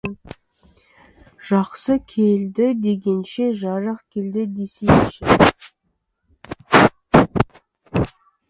Жақсы келді дегенше, жарық келді десейші.